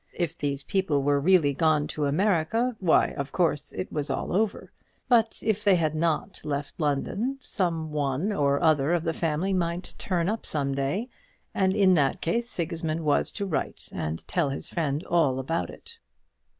If these people were really gone to America, why, of course, it was all over; but if they had not left London, some one or other of the family might turn up some day, and in that case Sigismund was to write and tell his friend all about it.